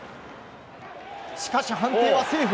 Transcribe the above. しかし判定はセーフ。